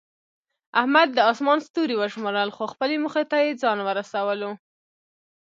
احمد د اسمان ستوري وشمارل، خو خپلې موخې ته یې ځان ورسولو.